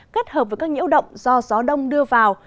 kết hợp với các nhiễu động do gió đông đưa vào